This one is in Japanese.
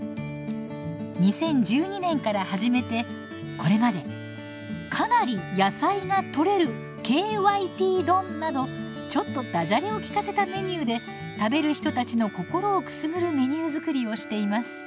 ２０１２年から始めてこれまでかなりやさいがとれるＫＹＴ丼などちょっとダジャレを効かせたメニューで食べる人たちの心をくすぐるメニュー作りをしています。